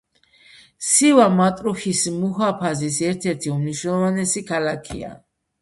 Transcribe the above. სივა მატრუჰის მუჰაფაზის ერთ-ერთი უმნიშვნელოვანესი ქალაქია.